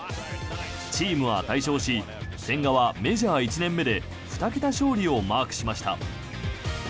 チームは大勝し千賀はメジャー１年目で２桁勝利をマークしました。